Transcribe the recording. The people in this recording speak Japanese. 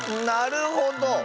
なるほど。